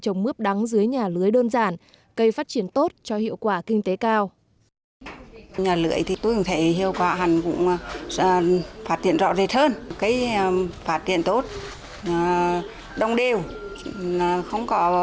trồng mướp đắng dưới nhà lưới đơn giản cây phát triển tốt cho hiệu quả kinh tế cao